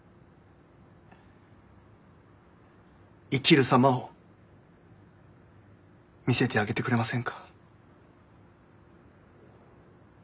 生きるさまを見せてあげてくれませんか。